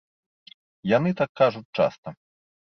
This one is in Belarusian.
Яны так кажуць часта.